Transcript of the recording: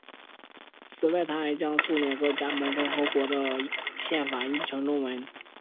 此外他还将苏联各加盟共和国的宪法译为中文。